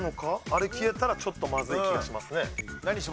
あれ消えたらちょっとまずい気がしますね。